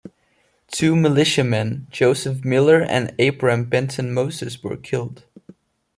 Two militiamen, Joseph Miller and Abram Benton Moses, were killed.